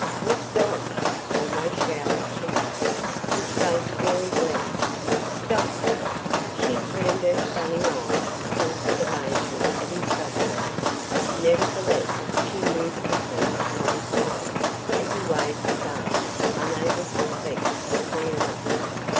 "Miss Dodge!" almost shouted Kennedy, his face fairly blanched, "Stop!" She turned, her stunning eyes filled with amazement at his suddenness. Nevertheless she moved quickly to one side, as he waved his arms, unable to speak quickly enough.